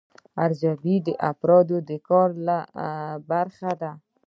ارزیابي د افرادو د کار له برخې ده.